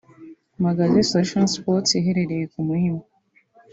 Magasin Solution Sports iherereye ku Muhima